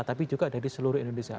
tapi juga dari seluruh indonesia